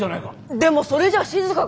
でもそれじゃしずかが。